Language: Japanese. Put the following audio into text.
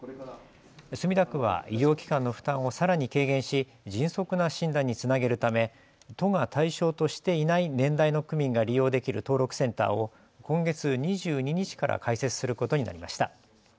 墨田区は医療機関の負担をさらに軽減し迅速な診断につなげるため都が対象としていない年代の区民が利用できる登録センターを今月２２日から開設することになりました。